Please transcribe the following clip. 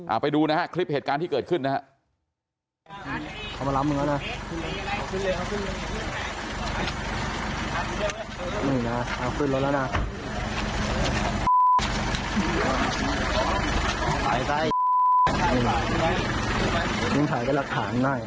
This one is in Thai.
เอาไปดูนะฮะคลิปเหตุการณ์ที่เกิดขึ้นนะครับ